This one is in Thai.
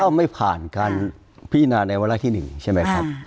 ก็ไม่ผ่านการพินาในวันละที่หนึ่งใช่ไหมครับอ่า